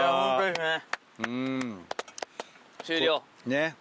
ねっ。